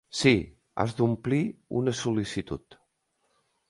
Sí, has d'omplir una sol·licitud.